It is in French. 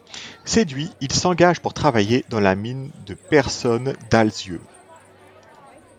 Séduit, il s'engage pour travailler dans la mine de Pehrson Dahlsjö.